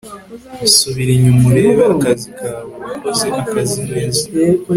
subira inyuma urebe akazi kawe, wakoze akazi neza